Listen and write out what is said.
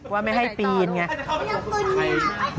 ว่าไม่ให้ปีนไง